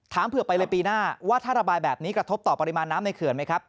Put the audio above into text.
เผื่อไปเลยปีหน้าว่าถ้าระบายแบบนี้กระทบต่อปริมาณน้ำในเขื่อนไหมครับ